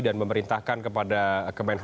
dan memerintahkan kepada km